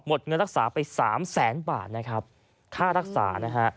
หมดเงินรักษาไป๓แสนบาทค่ารักษา